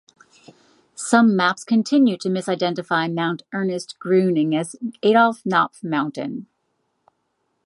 Some maps continue to misidentify Mount Ernest Gruening as Adolph Knopf Mountain.